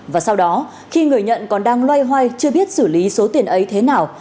và sau đó khi người nhận còn đang loay hoay chưa biết xử lý số tiền ấy thế nào